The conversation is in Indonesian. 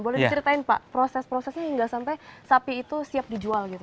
boleh diceritain pak proses prosesnya hingga sampai sapi itu siap dijual gitu